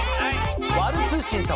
ワル通信様。